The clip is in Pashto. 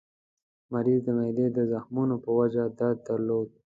مریض د معدې د زخمونو په وجه درد درلود.